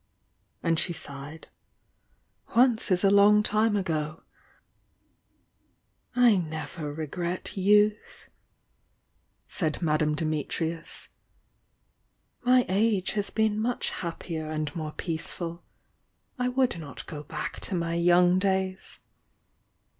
and she sighed. "Once is a long time ago!" t^ ■,• "I never regret youth," said Madame Dimitnu.?. "My age has beei. much happier and more peace ful. I would not go back to my young days."